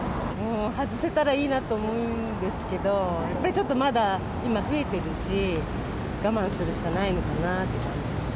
外せたらいいなと思うんですけど、やっぱりちょっとまだ、今、増えてるし、我慢するしかないのかなって。